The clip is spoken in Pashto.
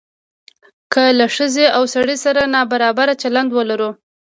که له ښځې او سړي سره نابرابر چلند ولرو.